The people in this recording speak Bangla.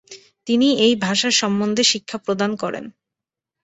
তিনি এই ভাষা সম্বন্ধে শিক্ষা প্রদান করেন।